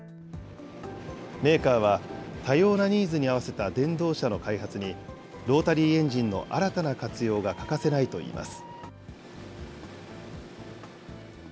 メーカーは、多様なニーズに合わせた電動車の開発に、ロータリーエンジンの新たな活用が欠かせないといいます。